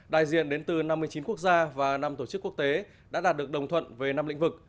đại diện đến từ năm mươi chín quốc gia và năm tổ chức quốc tế đã đạt được đồng thuận về năm lĩnh vực